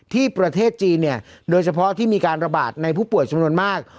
ประเทศจีนเนี่ยโดยเฉพาะที่มีการระบาดในผู้ป่วยจำนวนมาก